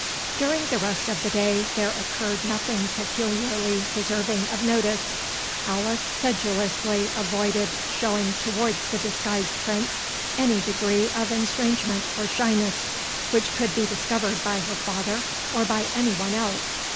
During the rest of the day, there occurred nothing peculiarly deserving of notice. Alice sedulously avoided showing towards the disguised Prince any degree of estrangement or shyness, which could be discovered by her father, or by any one else.